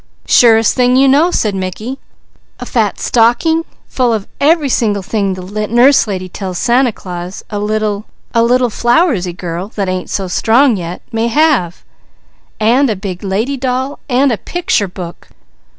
"Surest thing you know!" said Mickey. "A fat stocking full of every single thing the Nurse Lady tell Santa Claus a little a little flowersy girl that ain't so strong yet, may have, and a big lady doll and a picture book."